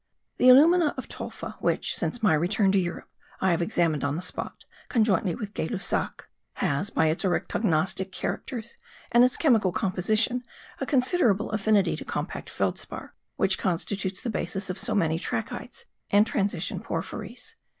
The alumite of Tolfa, which, since my return to Europe, I have examined on the spot, conjointly with Gay Lussac, has, by its oryctognostic characters and its chemical composition, a considerable affinity to compact feldspar, which constitutes the basis of so many trachytes and transition porphyries.